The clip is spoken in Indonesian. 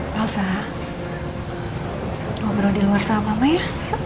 balsa ngobrol di luar sama mama ya